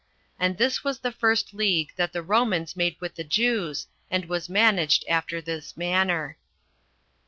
And this was the first league that the Romans made with the Jews, and was managed after this manner.